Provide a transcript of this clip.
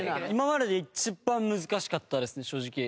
今まで一番難しかったですね正直。